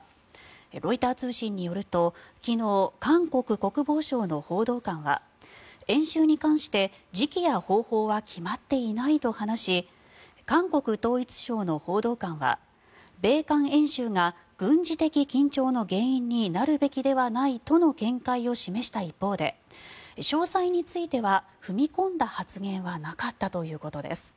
ロイター通信によると昨日、韓国国防省の報道官は演習に関して、時期や方法は決まっていないと話し韓国統一省の報道官は米韓演習が軍事的緊張の原因になるべきではないとの見解を示した一方で詳細については踏み込んだ発言はなかったということです。